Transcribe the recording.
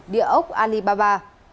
địa ốc alibaba